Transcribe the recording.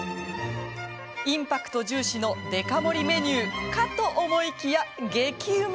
インパクト重視のでか盛りメニューかと思いきや激うま。